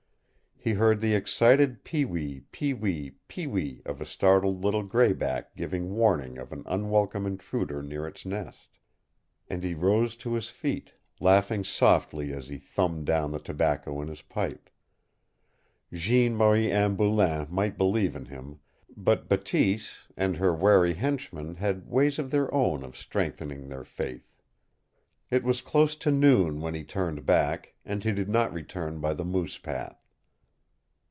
He heard the excited Pe wee Pe wee Pe wee of a startled little gray back giving warning of an unwelcome intruder near its nest. And he rose to his feet, laughing softly as he thumbed down the tobacco in his pipe. Jeanne Marie Anne Boulain might believe in him, but Bateese and her wary henchmen had ways of their own of strengthening their faith. It was close to noon when he turned back, and he did not return by the moose path.